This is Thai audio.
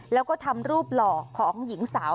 แล้วก็ทำรูปหล่อของหญิงสาว